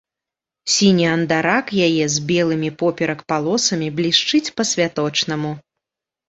Сіні андарак яе з белымі поперак палосамі блішчыць па-святочнаму.